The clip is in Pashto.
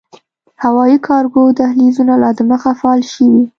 هوايي کارګو دهلېزونه لا دمخه “فعال” شوي